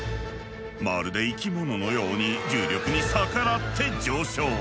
まるで生き物のように重力に逆らって上昇。